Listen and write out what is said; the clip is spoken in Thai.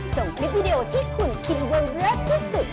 ส่งคลิปวิดีโอที่คุณคิดว่าเลิศที่สุด